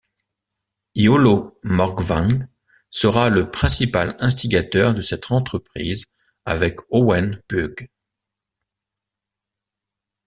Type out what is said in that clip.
IoLo Morganwg sera le principal instigateur de cette entreprise, avec Owen Pughe.